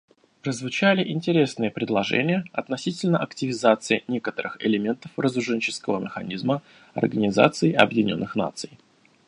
Прозвучали интересные предложения относительно активизации некоторых элементов разоруженческого механизма Организации Объединенных Наций.